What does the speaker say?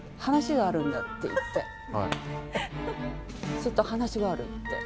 「ちょっと話がある」って。